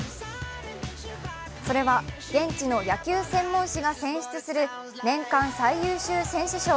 それは現地の野球専門誌が選出する年間最優秀選手賞。